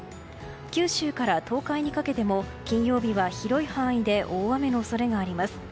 九州から東海にかけても金曜日は広い範囲で大雨の恐れがあります。